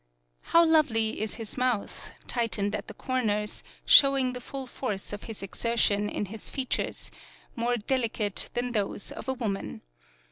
How lovely is his mouth, tight ened at the corners, showing the full force of his exertion in his features, more delicate than those of a woman.